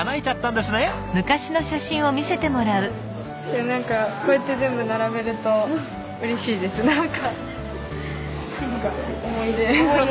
でも何かこうやって全部並べるとうれしいです何か。